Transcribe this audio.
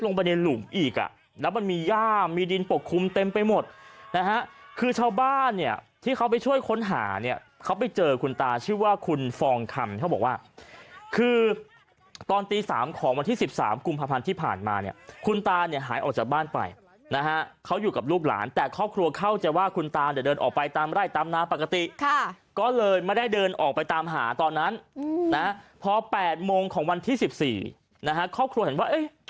ลุงกะซู่พร้อมโอ้โหเห็นไหมลุงกะซู่พร้อมโอ้โหเห็นไหมลุงกะซู่พร้อมโอ้โหเห็นไหมลุงกะซู่พร้อมโอ้โหเห็นไหมลุงกะซู่พร้อมโอ้โหเห็นไหมลุงกะซู่พร้อมโอ้โหเห็นไหมลุงกะซู่พร้อมโอ้โหเห็นไหมลุงกะซู่พร้อมโอ้โหเห็นไหมลุงกะซู่พร้อมโอ้โหเห็